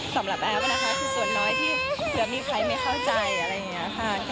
แอฟนะคะคือส่วนน้อยที่เผื่อมีใครไม่เข้าใจอะไรอย่างนี้ค่ะ